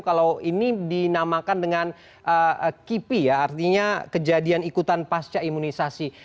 kalau ini dinamakan dengan kipi ya artinya kejadian ikutan pasca imunisasi